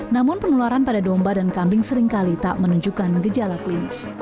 namun penularan pada domba dan kambing seringkali tak menunjukkan gejala klinis